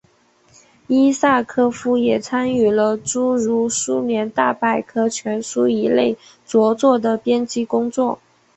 伊萨科夫也参与了诸如苏联大百科全书一类着作的编辑工作。